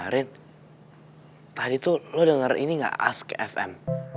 rin tadi tuh lo denger ini gak ask fm